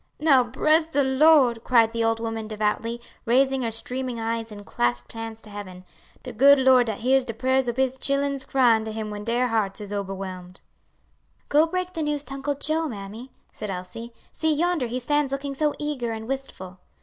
"Now bress de Lord!" cried the old woman devoutly, raising her streaming eyes and clasped hands to heaven; "de good Lord dat hears de prayers ob His chilen's cryin' to Him when dere hearts is oberwhelmed!" "Go break the news to Uncle Joe, mammy," said Elsie; "see, yonder he stands looking so eager and wistful."